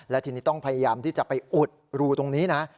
และทีนี้ต้องพยายามที่จะไปอุดรูตรงนี้นะ